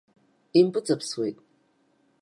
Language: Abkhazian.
Импыҵаԥсуеит.